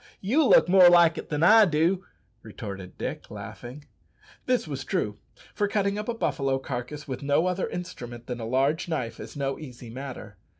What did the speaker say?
"You look more like it than I do," retorted Dick, laughing. This was true, for cutting up a buffalo carcass with no other instrument than a large knife is no easy matter.